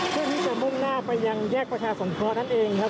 เพื่อที่จะมุ่งหน้าไปยังแยกประชาสงเคราะห์นั่นเองครับ